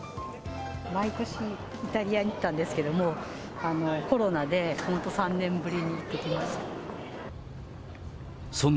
毎年、イタリアに行っていたんですけど、コロナで３年ぶりに行ってきました。